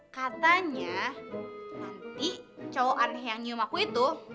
katanya nanti cowok aneh yang nyium aku itu